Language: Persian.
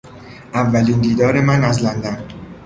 اولین دیدار من از لندن